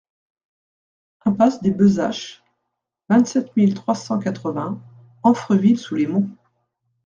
Impasse des Besaches, vingt-sept mille trois cent quatre-vingts Amfreville-sous-les-Monts